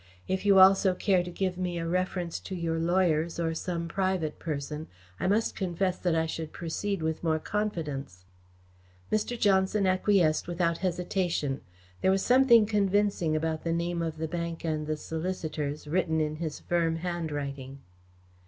If you also care to give me a reference to your lawyers or some private person, I must confess that I should proceed with more confidence." Mr. Johnson acquiesced without hesitation. There was something convincing about the name of the bank and the solicitors, written in his firm handwriting.